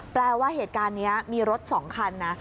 แปลว่าเหตุการณ์นี้มีรถ๒คันนะ